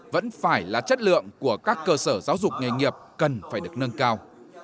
vẫn phải là chất lượng của các cơ sở giáo dục nghề nghiệp cần phải được nâng cao